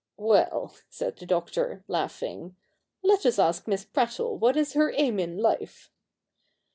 'Well,' said the Doctor, laughing, 'let us ask Miss Prattle what is her aim in life.'